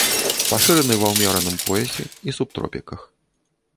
Пашыраны ва ўмераным поясе і субтропіках.